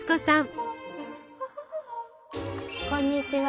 こんにちは。